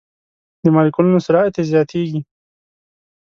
د مالیکولونو سرعت یې زیاتیږي.